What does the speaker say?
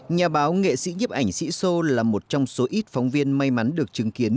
nhà báo nghệ sĩ nhấp ảnh sĩ sô là một trong số ít phóng viên may mắn được chứng kiến